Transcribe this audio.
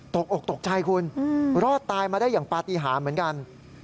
ตกอกตกใจคุณรอดตายมาได้อย่างปฏิหารเหมือนกัน